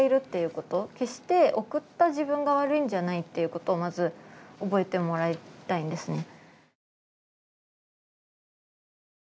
決して送った自分が悪いんじゃないっていうことをまず覚えてもらいたいんですね。